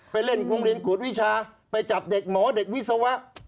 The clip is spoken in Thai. ไปเล่นโรงเรียนกวดวิชาไปจับเด็กหมอเด็กวิศวะ